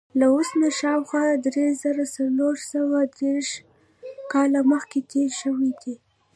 له اوس نه شاوخوا درې زره څلور سوه درویشت کاله مخکې تېر شوی دی.